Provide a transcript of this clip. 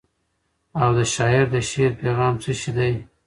او د شاعر د شعر پیغام څه شی دی؟.